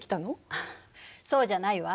そうじゃないわ。